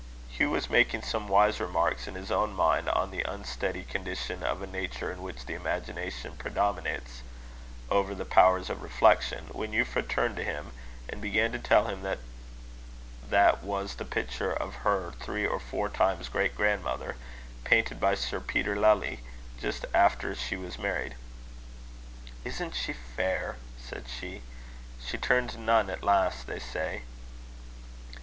Hugh was making some wise remarks in his own mind on the unsteady condition of a nature in which the imagination predominates over the powers of reflection, when Euphra turned to him, and began to tell him that that was the picture of her three or four times great grandmother, painted by Sir Peter Lely, just after she was married. "Isn't she fair?" said she. "She turned nun at last, they say."